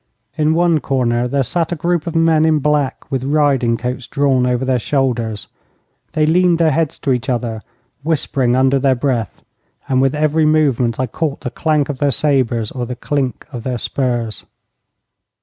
In one corner there sat a group of men in black, with riding coats drawn over their shoulders. They leaned their heads to each other, whispering under their breath, and with every movement I caught the clank of their sabres or the clink of their spurs.